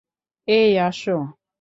এই, আসো!